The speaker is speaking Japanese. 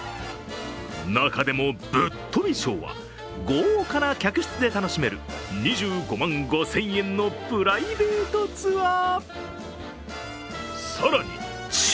中でもぶっとび賞は豪華な客室で楽しめる２５万５０００円のプライベートツアー。